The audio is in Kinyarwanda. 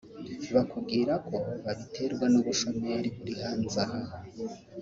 bakubwira ko babiterwa n’ubushomeri buri hanze aha